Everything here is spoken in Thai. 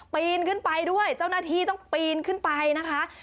ปีนขึ้นไปด้วยเจ้าหน้าที่ต้องปีนขึ้นไปนะคะ